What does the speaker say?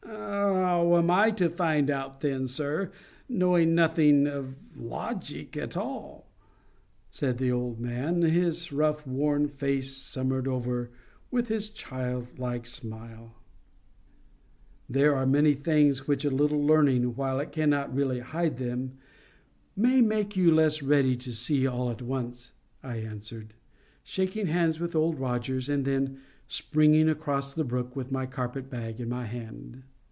"How am I to find out then, sir—knowing nothing of logic at all?" said the old man, his rough worn face summered over with his child like smile. "There are many things which a little learning, while it cannot really hide them, may make you less ready to see all at once," I answered, shaking hands with Old Rogers, and then springing across the brook with my carpet bag in my hand.